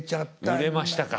売れましたか。